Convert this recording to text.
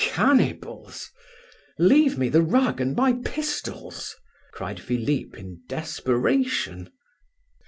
"Cannibals! leave me the rug and my pistols," cried Philip in desperation.